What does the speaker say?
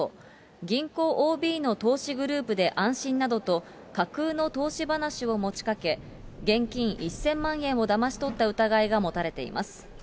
銀行ＯＢの投資グループで安心などと、架空の投資話を持ちかけ、現金１０００万円をだまし取った疑いが持たれています。